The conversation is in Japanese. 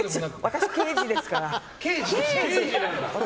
私、刑事ですから。